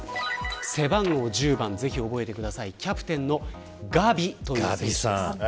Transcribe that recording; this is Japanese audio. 背番号１０番覚えてください、キャプテンのガビさんです。